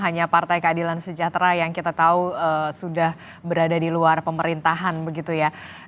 hanya partai keadilan sejahtera yang kita tahu sudah berada di luar pemerintahan begitu ya